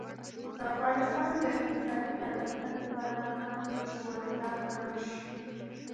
د افغانستان د اقتصادي پرمختګ لپاره پکار ده چې واردات کم شي.